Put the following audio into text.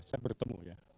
saya bertemu ya